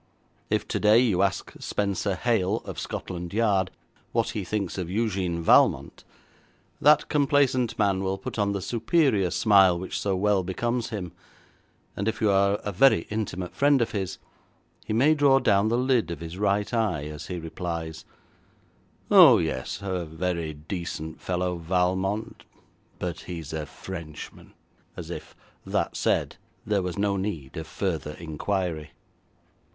If today you ask Spenser Hale, of Scotland Yard, what he thinks of Eugène Valmont, that complacent man will put on the superior smile which so well becomes him, and if you are a very intimate friend of his, he may draw down the lid of his right eye, as he replies, 'Oh, yes, a very decent fellow, Valmont, but he's a Frenchman,' as if, that said, there was no need of further inquiry.